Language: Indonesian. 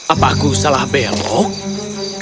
apakah aku salah belok